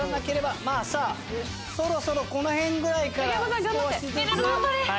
まぁさぁそろそろこの辺ぐらいから少しずつ。